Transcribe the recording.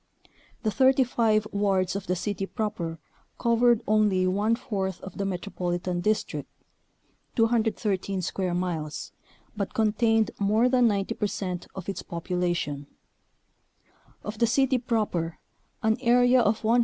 The 35 wards of the city proper covered only one fourth of the Metropolitan District (213 square miles), but contained more than 90 percent of its population. Of the city proper an area of 103.